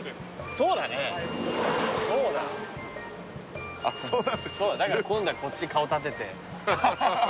だから今度はこっち顔立てて。